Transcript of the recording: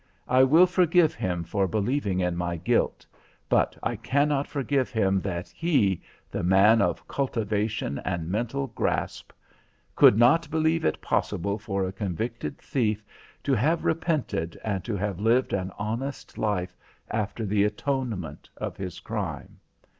I will forgive him for believing in my guilt, but I cannot forgive him that he, the man of cultivation and mental grasp, could not believe it possible for a convicted thief to have repented and to have lived an honest life after the atonement of his crime.